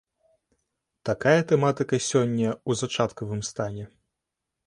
Такая тэматыка сёння ў зачаткавым стане.